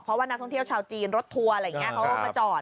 เพราะว่านักท่องเที่ยวชาวจีนรถทัวร์อะไรอย่างนี้เขาก็มาจอด